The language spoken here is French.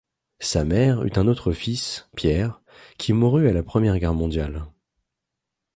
Sa mère eut un autre fils, Pierre, qui mourut à la Première Guerre mondiale.